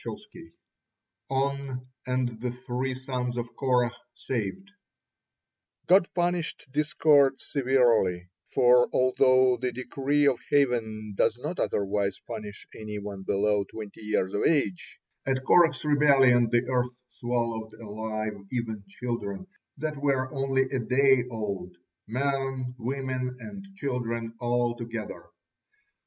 ON AND THE THREE SONS OF KORAH SAVED God punished discord severely, for although the decree of Heaven does not otherwise punish any one below twenty years of age, at Korah's rebellion the earth swallowed alive even children that were only a day old men, women, and children, all together.